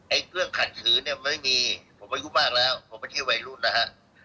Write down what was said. เรื่องขัดขืนเนี่ยมันไม่มีผมอายุมากแล้วผมไม่ใช่วัยรุ่นนะฮะ